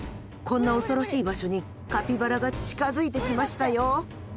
こんな恐ろしい場所にカピバラが近づいてきましたよ。